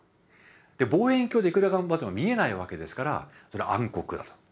望遠鏡でいくら頑張っても見えないわけですからそれは暗黒だと。